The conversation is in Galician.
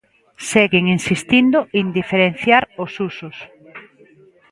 Seguen insistindo en diferenciar os usos.